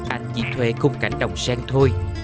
anh chỉ thuê khung cảnh đồng sen thôi